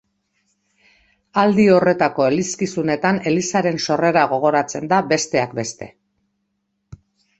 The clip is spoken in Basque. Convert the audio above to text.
Aldi horretako elizkizunetan Elizaren sorrera gogoratzen da, besteak beste.